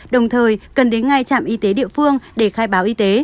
đồng thời cần đến ngay trạm y tế địa phương để khai báo y tế